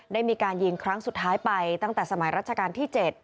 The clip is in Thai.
ได้มีการยิงครั้งสุดท้ายไปตั้งแต่สมัยรัชกาลที่๗